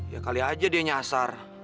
ya kali aja dia nyasar